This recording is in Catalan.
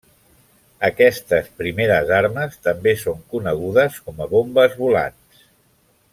Aquestes primeres armes també són conegudes com a bombes volants.